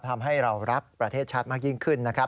ทำให้เรารักประเทศชาติมากยิ่งขึ้นนะครับ